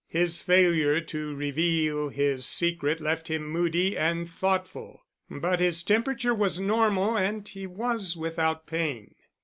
His failure to reveal his secret left him moody and thoughtful. But his temperature was normal and he was without pain.